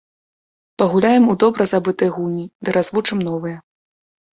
Пагуляем у добра забытыя гульні ды развучым новыя.